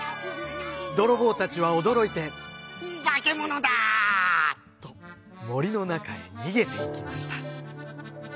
どろぼうたちはおどろいて「ばけものだ！」ともりのなかへにげていきました。